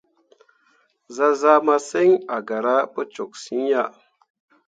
Zah zaa masǝŋ a gara pu toksyiŋ ah.